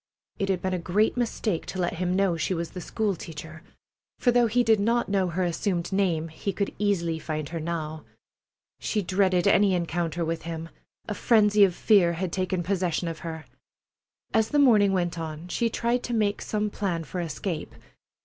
It had been a great mistake to let him know she was the school teacher, for though he did not know her assumed name he could easily find her now. She dreaded any encounter with him. A frenzy of fear had taken possession of her. As the morning went on, she tried to make some plan for escape.